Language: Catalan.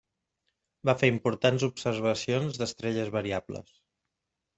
Va fer importants observacions d'estrelles variables.